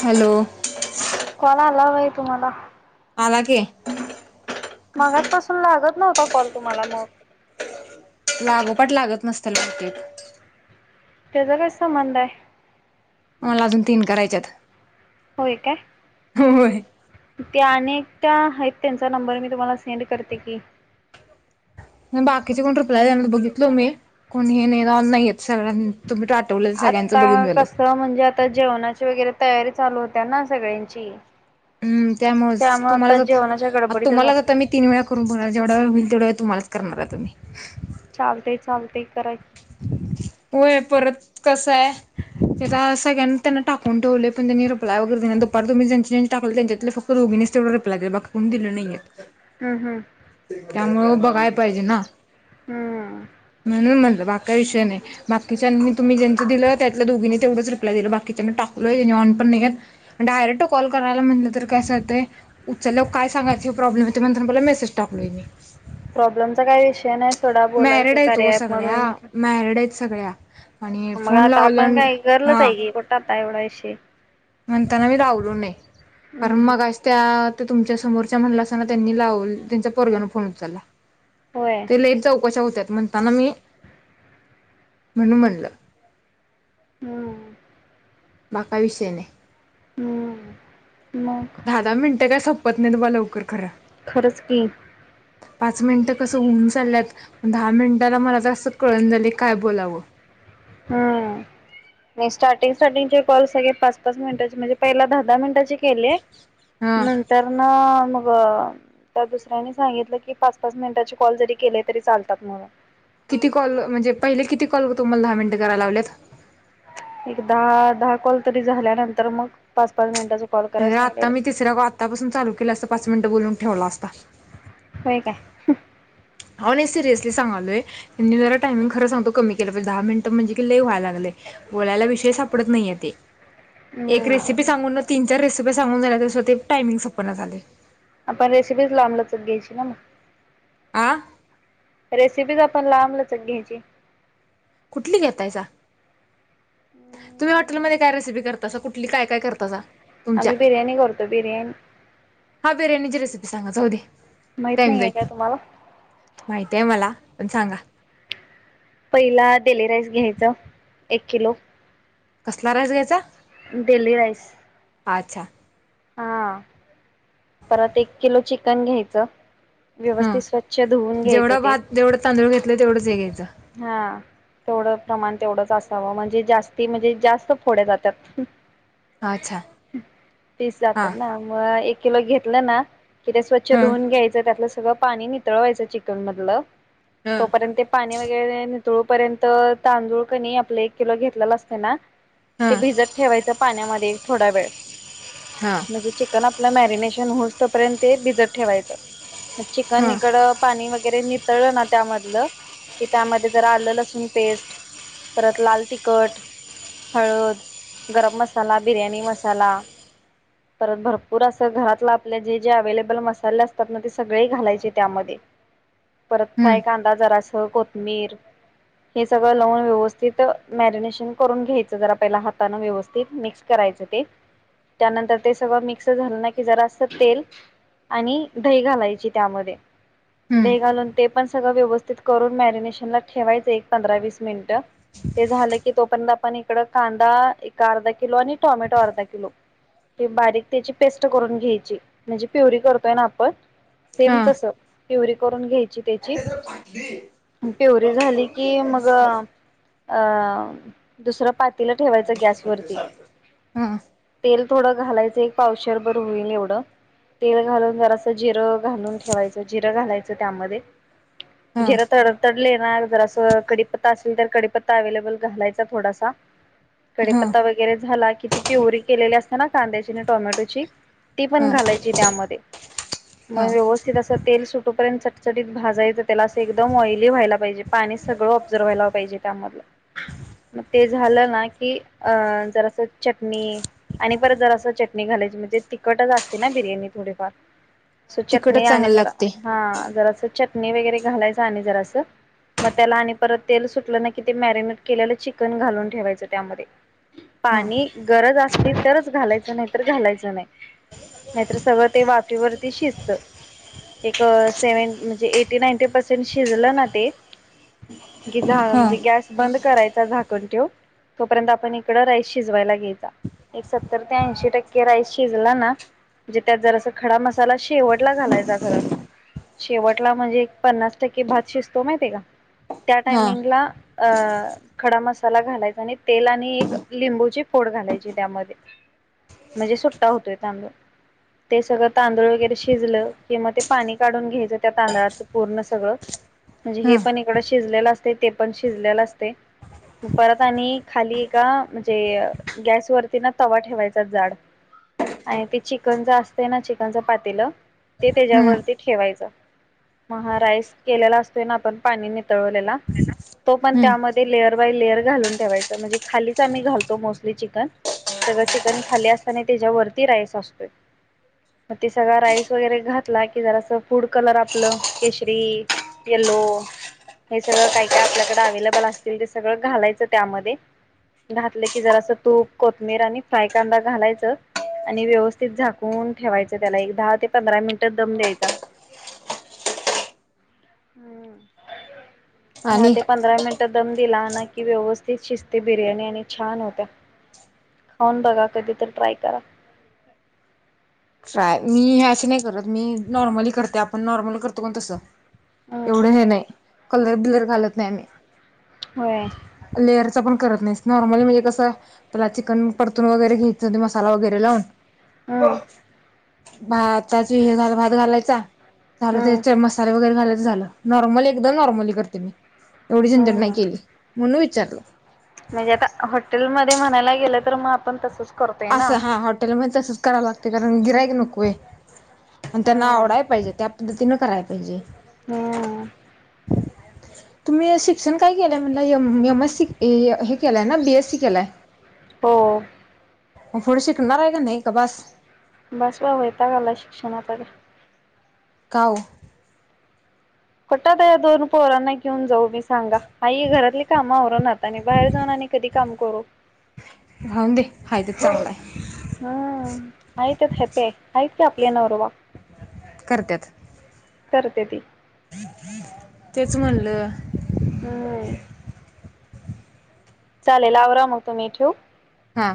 Hello कोणा लव तुम्हाला अलागे मगासपासून लागत नव्हता कॉल तुम्हाला मग लागोपाट लागत नसत मार्केट त्याचा कस संबंध आहे मला अजून तीन करायच्यात होय काय हो हो त्या अनेक त्या आहेत त्यांचा नंबर मी तुम्हाला सेंड करते की बाकीचे कोण रुप्लाय द बघितलो मी कोण हे नाही रा नाहीयेत सगळ आता कस म्हणजे आता जेवणाचे वगैरे तयारी चालू होत्या ना सगळ्यांची हम् त्यामुळे आता तुम्हाला ज जेवणाच्या गडबडीतच तुम्हाला जात असतात. मी तीन वेळा करून बघणार जवढ वेळ होईल तेवढ्या व तुम्हाला करणारा तुम्ही चालते चालते ते कराय होय परत कस आहे त्याला सगळ्यांनी त्यांना टाकून ठेवले पण त्यांनी रि्य वगैरे देना दुपार तुम्ही जच्या ज्यां टाकलं त्यांच्यात फक्त रोगीनेच तेवढं रिप्लाय दिलं बाकी कोण दिलं नाहीय हम्म हम्म त्यामुळे बघाय पाहिजे ना हम्म. म्हणुन म्हणलं [unintelligible] काही विषय नाही बाकीच्यानी तुम्ही ज्यांच दिलं त्यातल्या दोघींनी तेवढंच रिप्लाय दिलं बाकीच्यांना टाकलोयनी ऑन पण नाही आणि डायरेक्ट कॉल करायला म्हटलं तर कसं होतय उचललं काय सांगायच प्रॉब्लेम हो म्हला मेसेज टाकलोय मी प्रॉब्लेमचा काय विषय नाही सोडा बोलायच मॅरिड आहेत ओ कार्य ॲप मधून सगळ्या मॅरिड आहेत सगळ्या आणि मग फोन आता लावल्या आपण काय गर्लच हा आहे की आता एवढा विश म्हणताना मी लावलो नाही हम्म कारण हम्म. मगाशी त्या तुमच्या समोरच्या म्हणलास ना त्यांच्या पोरग्यांनी फोन उचलला होय. ते लेट चौकशा म्हणताना मी म्हणून म्हणलं हम् बाकी काय विषय नाही हम्म मग दहा दहा मिनटं काय सप लवकर कर खरंच की पाच मिनिट कस होऊन चालल्यात दहा मिनिटाला मला तर असं कळन झालं काय बोलावं हम् नाही स्टार्टिंग स्टार्टिंगचे कॉल सगळे पाच पाच मिनिटाचे म्हणजे पहिला दहा दहा मिनिटाचे केलेय हा नंतर न मग व त्या दुसऱ्यांनी सांगितलं की पाच पाच मिनिटाचे कॉल जरी केले तरी चालतात म्हणून किती कॉल म्हणजे पहिले किती कॉल तुम्हाला दहा मिनटं करायला लावले एक दहा दहा कॉल तरी झाल्यानंतर मग पाच पाच मिनिटाच आता मी तिसऱ ग आत्तापासून चालू केला असता पाच मिनिटं बोलून ठेवला असता होय काय ह नाही सिरियसली सगालोय त्यां जरा टामिंग खं सांगतो कमी केलं पाहिजे दहा मिनट म्हणजे कि ली व्हाय लागलंय बोलायला विषय सापडत नाहीये ते एक हम्म रेसिपी सांगून ना तीन चार रेसिपी सांगून ते टामिंग संपना झालय आपण रेसिपी लांबलचकाघ्यायची ना मग आ रेसिपीच आपण लांबलचग घ्यायची कुठली घेतायसा तुम्ही हॉटेलमध्ये काय रेसिपी करतासा कुठली काय काय करता सा आम्ही बिरयाणी करतो बिर्याणी हा बिर्याणीची रेसिपी सांगा माहित जाऊदे नाहीये काय तुम्हाला माहितय मला [unintelligible] पण सांगा पहिला देली राईस घ्यायचं एक किलो कसला राईस घ्यायचा डेली राईस अच्छा हा परत एक किलो चिकन घ्यायचं हा व्यवस्थित स्वच्छ धुवून घ्यायचं जेवढा ते भात जेवढं तांदूळ घेतलं तेवढेच घ्यायचं हा तेवढं प्रमाण तेवढंच असावं म्हणजे जास्ती म्हणजे जास्त फोडे जातात अच्छा पीस जातात ना हा मंग हा एक किलो घेतलं ना ते स्वच्छ हा धुऊन घ्यायचं त्यातलं सगळं पाणी नितळवायचं चिकन मधलं हा तोपर्यंत ते पाणी वगैरे तोपर्यंत तांदूळ कनी आपला एक किलो घेतलेला असतय ना हा ते भिजत ठेवायचं पाण्यामध्ये थोडा वेळ हा म्हणजे चिकन आपल्या मॅरिनेट शन होऊसतोपर्यंत ते भिजत ठेवायचं. चिकन हा इकडं पाणी वगैरे नित तळलना त्यामधला की त्या मध्ये जरा आलं लसूण पेस्ट परत लाल तिखट हळद, गरम मसाला, बिर्याणी मसाला परत भरपूर असं घरातलं आपले जे जे अवेलेबल मसाले असतात ना ते सगळे घालायचे त्यामध्ये परत हम्म फ्राय कांदा जरास कोथमीर हे सगळं लावून व्यवस्थित मॅरिनेशन करून घ्यायचं जरा पहिला हाताने व्यवस्थित मिक्स करायचं ते त्यानंतर ते सगळं मिक्स झालं ना कि जरा अस तेल आणि दही घालायची त्यामध्ये हम्म दही घालून ते पण सगळं व्यवस्थित करून मॅरिनेशन ला ठेवायचं एक पंधरा वीस मिनिटं ते झालं की तोपर्यत आपण इकडं कांदा एक अर्धा किलो आणि टोमॅटो अर्धा किलो ते बारीक त्याची पेस्ट करून घ्यायची म्हणजे प्युरी करतो ना आपण हा सेम तस प्युरी करून घ्याय त्याची पिवरी झाली की मग अ दुसरं पात तिल ठेवायचं गॅस वरती हा थोडा घालायचे एक पावशेर बर होईल एवढं तेल घालून जरासं जिरं घालून ठेवायचं जिरं घालायचं त्यामध्ये हा जिरा तडतडले ना जरासं कढीपत्ता असेल तर कढीपत्त अवेलेबल घालायचा थोडासा हा कढीपत्ता वगैरे झाला की, ती पिवरी केलेले असत न कांद्याची आणि टोमॅटोची ती पण हा घालायची त्यामध्ये हा मग व्यवस्थित असं तेल सुटूपर्यंतच चटीत भाजायचं त्याला असं एकदम ऑइली व्हायला पाहिजे. पाणी सगळं ऑब्झर्व व्हायला पाहिजे म तेज् झालं ना की अ जरास चटणी आणि परत जरासं चटणी घालायची म्हणजे तिखटच असते ना बिर्याणी थोडेफार सो चटणी तिखटच आणि चांगलं जरा लागते हा जरास चटणी वगैरे घालायच आणि जरासं मग त्याला आणि परत तेल सुटलं ना की ते मॅरिनेट केलेलं चिकन घालून ठेवायचं त्यामध्ये हा पाणी गरज अस तरच घालायचं नायतर घालायचं नाय नायतर सगळं ते वाफेवरती शिजत एक सेवेंटी म्हणजे ऐटी-नाईटी पर्सेंट शिजलं ना ते की झालं हा म्हणजे गॅस बंद करायच झाकण ठेवून तोपर्यंत आपण इकडे राईस शिजवायला घ्यायचा. एक सत्तर ते ऐंशी टक्के राईस शिजला ना म्हणजे त्यात जरास खडा मसाला शेवटला घालायचा खरं शेवटला म्हणजे एक पन्नास टक्के भात शिजतो माहिती आहे का? त्या हा टायमिंग ला अ खडा मसाला घालायचा आणि तेल आणि एक लिंबूची फोड घालायची त्यामध्ये म्हणजे सुट्टा होतोय तांदूळ ते सगळं तांदूळ वगैरे शिजलं कि मग ते पाणी काढून घ्यायचं त्या तांदळातलं पूर्ण सगळं म्हणजे हे हा पण इकडे शिजलेल असतय ते पण शिजलेल असतय परत आणि खाली एका म्हणजे गॅस वर एका ति ना तवा ठेवायचा जाड आणि ते चिकनच असतेय ना चिकनच पातेलं ते हम्म त्याच्यावरती ठेवायचं मग हा राइस केलेला असतोय ना आपण पाणी नितळलेला तो पण हम्म त्यामध्ये लेअर बाय लेयर घालून ठेवायच म्हणजे खालीच आम्ही घालतो मोस्टली चिकन सगळं चिकन खाली असताना त्याच्यावररती राईस असतोय मग ते सगं राईस वगैरे घातला कि जरासं फूड कलर आपलं केशरी येलो हे सगळं काय काय आपल्याकडे अवेलेबल असतील ते सगळं घालायचं त्यामध्ये घातलं की जरासं तूप कोथमीिर आणि फ्राय कांदा घालायच आणि व्यवस्थित झाकून ठेवायचं त्याला एक दहा ते पंधरा मिनिट दम द्यायचा दहा ते आणि पंरा मिनट दम दिला ना की व्यवस्थित शिस्ती बिर्याणी आणि छान होत्या खाऊन बघा कधी तर ट्राय करा ट्राय मी हे अशी नाही करत मी नॉर्मली करते आपण नॉर्मल करतो ना तसं हम्म एवढं हे नाही कलर ब्लर घालत नाही आम्ही होय लेअरच पण करत नाही नॉर्मली म्हणजे कस चिकन परतून वगैरे घ्यायचं मसाला वगैरे लावून ह हम्म भातच हे झा भात घालायचा झालं हम्म त्या मसाले वगरे [inaudible] झाल नॉर्मल एकदम नॉर्मली करते मी एवढी झनझट नाही हम्म केली म्हणून विचारलं म्हणजे आता हॉटेलमध्ये म्हणायला गेलं तर मग आपण तसच करतोय ना असं हा हॉटेल म तसंच कराव लागतय कारण गिरायक [inaudible] व्हय आणि त्यांना हम्म आवडाय पाहिजे त्या पद्धतीन कराय पाहिजे हम्म तुम्ही शिक्षण काय केलंय म्हण एम एस सी हे केलंय ना बीएस सी केलाय हो पुढ शिकवणार आहे का नाही का बस बस बाऊ येता गला शिक्षणाचा काऊ कटात या दोन पोरांना घेऊन जाऊ मी सांगा आई घरातली काम आवरणात आणि बाहेर जाऊन आणि कधी काम कर राऊून दे हाय ते चांगला आहे हम्म आहेतत हपे आहेत का आपल्या नवरवरबा करतत करते ती तेच म्हणलं हम् चालेल आवरा मग तु म्ही ठेव हा